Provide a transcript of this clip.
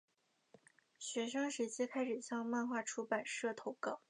学生时期开始向漫画出版社投稿。